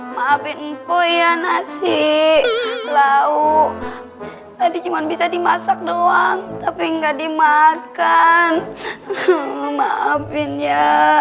maafin po ya nasi lauk tadi cuman bisa dimasak doang tapi enggak dimakan maafin ya